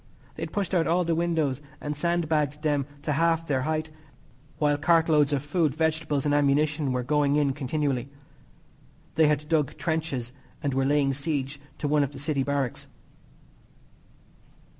They had pushed out all the windows and sandbagged them to half their height, while cart loads of food, vegetables and ammunition were going in continually. They had dug trenches and were laying siege to one of the city barracks.